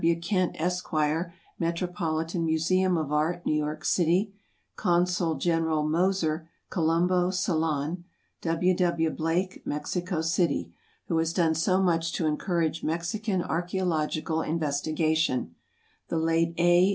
W. Kent, Esq., Metropolitan Museum of Art, New York City; Consul General Moser, Colombo, Ceylon; W. W. Blake, Mexico City, who has done so much to encourage Mexican archæological investigation; the late A.